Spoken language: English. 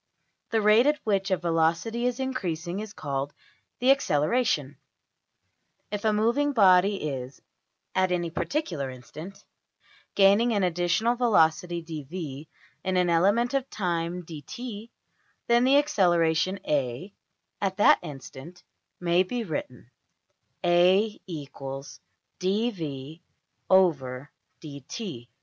The rate at which a velocity is increasing is called the \emph{acceleration}. If a moving body is, at any particular instant, gaining an additional velocity~$dv$ in an element of time~$dt$, then the acceleration~$a$ at that instant may be written \[ a = \dfrac{dv}{dt}; \] \DPPageSep{068.